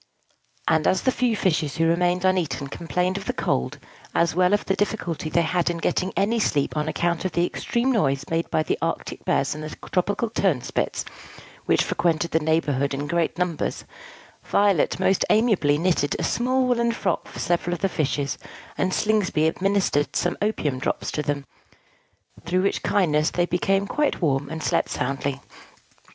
And as the few fishes who remained uneaten complained of the cold, as well as of the difficulty they had in getting any sleep on account of the extreme noise made by the arctic bears and the tropical turnspits, which frequented the neighborhood in great numbers, Violet most amiably knitted a small woollen frock for several of the fishes, and Slingsby administered some opium drops to them; through which kindness they became quite warm, and slept soundly.